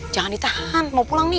jangan ditahan mau pulang nih